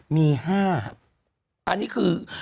มี๕อันนี้คือ